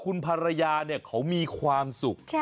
คุณภรรยาเนี่ยเขามีความสุข